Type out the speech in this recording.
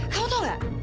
kamu tahu nggak